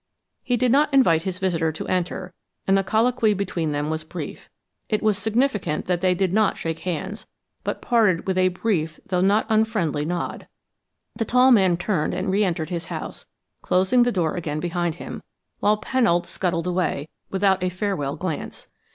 He did not invite his visitor to enter, and the colloquy between them was brief. It was significant that they did not shake hands, but parted with a brief though not unfriendly nod. The tall man turned and re entered his house, closing the door again behind him, while Pennold scuttled away, without a farewell glance.